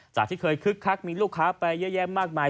ที่เคยคึกคักมีลูกค้าไปเยอะแยะมากมาย